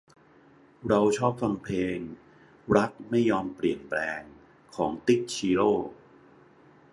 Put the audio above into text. เราชอบฟังเพลง รักไม่ยอมเปลี่ยนแปลง ของติ๊ก ชิโร่